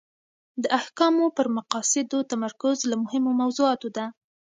د احکامو پر مقاصدو تمرکز له مهمو موضوعاتو ده.